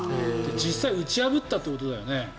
実際打ち破ったってことだよね。